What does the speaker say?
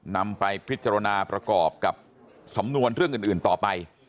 นำไปพิจารณาประกอบกับสำนวนเรื่องอื่นต่อไป